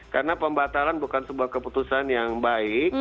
karena pembatalan bukan sebuah keputusan yang baik